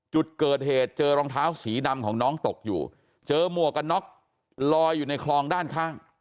จุดเกิดเหตุเจอรองเท้าสีดำของน้องตกอยู่เจอหมวกกันน็อกลอยอยู่ในคลองด้านข้าง